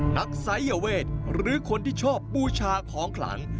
สายเวทหรือคนที่ชอบบูชาของขลัง